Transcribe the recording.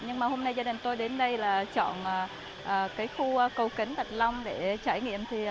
nhưng mà hôm nay gia đình tôi đến đây là chọn khu cầu kến bạch long để trải nghiệm